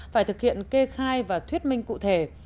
phải thực hiện kê khai và thuyết minh cụ thể